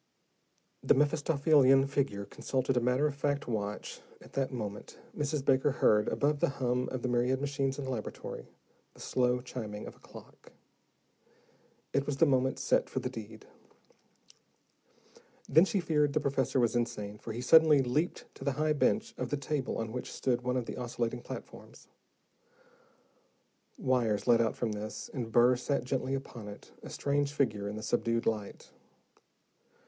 The Mephistophelian figure consulted a matter of fact watch; at that moment, Mrs. Baker heard, above the hum of the myriad machines in the laboratory, the slow chiming of a clock. It was the moment set for the deed. Then, she feared the professor was insane, for he suddenly leaped to the high bench of the table on which stood one of the oscillating platforms. Wires led out from this, and Burr sat gently upon it, a strange figure in the subdued light.